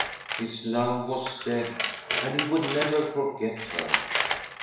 His love was dead and he would never forget her.